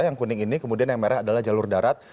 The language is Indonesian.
yang kuning ini kemudian yang merah adalah jalur darat